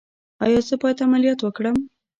ایا زه باید عملیات وکړم؟